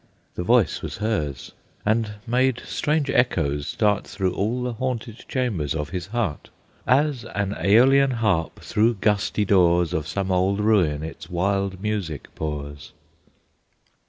The voice was hers, and made strange echoes start Through all the haunted chambers of his heart, As an Êolian harp through gusty doors Of some old ruin its wild music pours.